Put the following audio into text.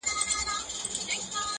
همدا اوس په کندهار کې